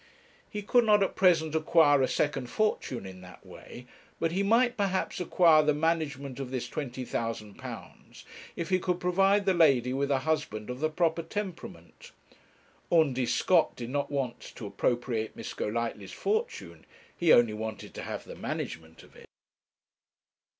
He could not at present acquire a second fortune in that way; but he might perhaps acquire the management of this £20,000 if he could provide the lady with a husband of the proper temperament. Undy Scott did not want to appropriate Miss Golightly's fortune, he only wanted to have the management of it.